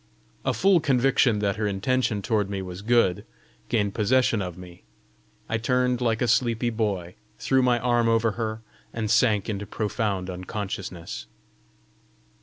A full conviction that her intention toward me was good, gained possession of me. I turned like a sleepy boy, threw my arm over her, and sank into profound unconsciousness.